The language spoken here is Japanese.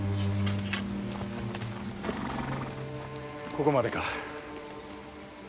ここまでか。